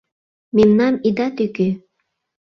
Мемнам ида тӱкӧ!